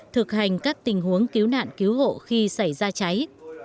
thực hành các tình huống cứu nạn cứu hộ khi xảy ra cháy